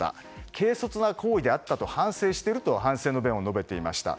軽率な行為であったと反省していると反省の弁を述べていました。